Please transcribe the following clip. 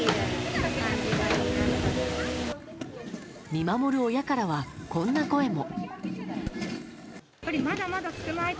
見守る親からはこんな声も。